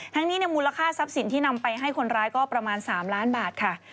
ทั้งนี้มูลค่าทรัพย์สินที่นำไปให้คนร้ายก็ประมาณ๓ล้านบาทค่ะ